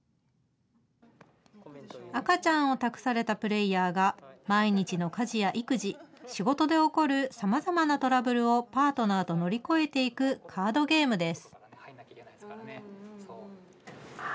赤ちゃんを託されたプレーヤーが、毎日の家事や育児、仕事で起こるさまざまなトラブルをパートナーと乗り越えていくカードゲームです。